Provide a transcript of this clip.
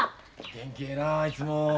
元気ええないつも。